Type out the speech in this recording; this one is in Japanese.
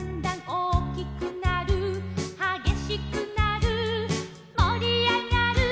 「おおきくなる」「はげしくなる」「もりあがる」